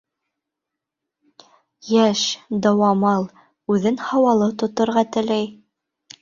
Йәш, дыуамал, үҙен һауалы тоторға теләй.